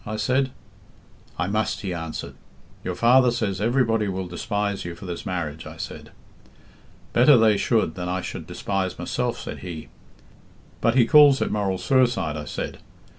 I said. 'I must,' he answered. 'Your father says everybody will despise you for this marriage,' I said. 'Better they should than I should despise myself,' said he. 'But he calls it moral suicide,' I said.